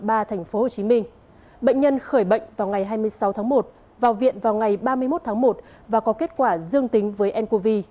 bệnh nhân khởi bệnh vào ngày hai mươi sáu tháng một vào viện vào ngày ba mươi một tháng một và có kết quả dương tính với ncov